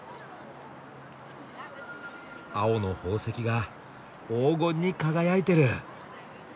青の宝石が黄金に輝いてる！